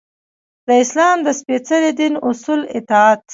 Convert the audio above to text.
د اسلام د سپیڅلي دین اصولو اطاعت.